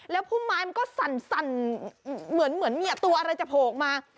แล้วพุ่มไม้มันก็สั่นเหมือนตัวอะไรจะโผล่ออกมา